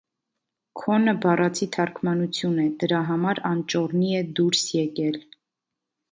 Քոնը բառացի թարգմանություն է, դրա համար անճոռնի է դուրս եկել: